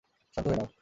শান্ত হয়ে নাও।